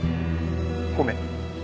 ごめん。